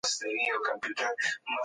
ولسي او کره ژبه بايد سره نږدې شي.